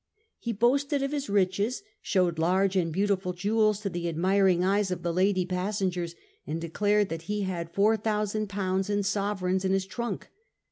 He boasted of his riches, showed large and beautiful jewels to the admiring eyes of the lady passengers, and declared that he had £4,000 in sovereigns in his trunk.